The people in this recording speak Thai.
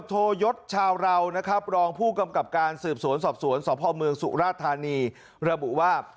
โทยศชาวเรานะครับรองผู้กำกับการสืบสวนสอบสวนสพเมืองสุราธานีระบุว่า